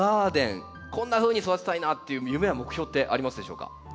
こんなふうに育てたいなっていう夢や目標ってありますでしょうか？